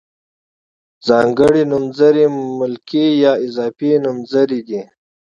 ځانګړي نومځري ملکي یا اضافي نومځري دي.